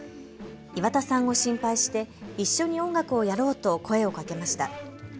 岩田さんを心配して一緒に音楽をやろうと声をかけました。